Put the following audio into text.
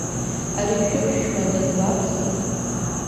Ари шәыԥшәма данбаԥси?